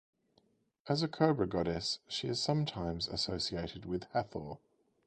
As a cobra-goddess she is sometimes associated with Hathor.